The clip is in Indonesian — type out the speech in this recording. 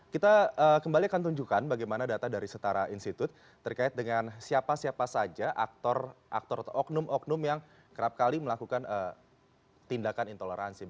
kita kembali akan tunjukkan bagaimana data dari setara institut terkait dengan siapa siapa saja aktor aktor atau oknum oknum yang kerap kali melakukan tindakan intoleransi